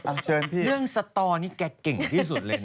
เรื่องตัวนี้แกเก่งที่สุดเลยนะ